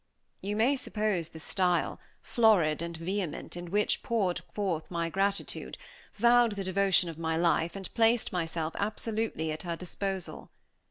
You may suppose the style, florid and vehement, in which poured forth my gratitude, vowed the devotion of my life, and placed myself absolutely at her disposal.